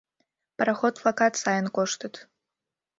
Пароход-влакат сайын коштыт.